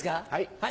はい。